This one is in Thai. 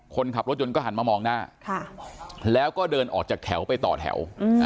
คนขับรถยนต์ก็หันมามองหน้าแล้วก็เดินออกจากแถวไปต่อแถว